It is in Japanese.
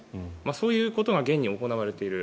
そういうことが現に行われている。